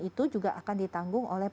itu juga akan ditanggung oleh